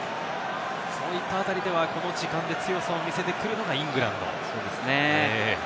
そういった辺りではこの時間で強さを見せてくるのがイングランド。